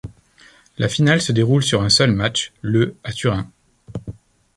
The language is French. La finale se déroule sur un seul match, le à Turin.